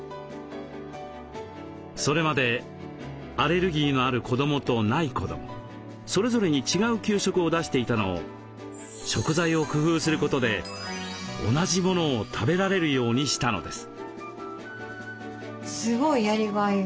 それまでアレルギーのある子どもとない子どもそれぞれに違う給食を出していたのを食材を工夫することで同じものを食べられるようにしたのです。